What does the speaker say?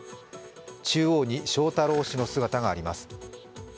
中央に翔太郎氏の姿があります。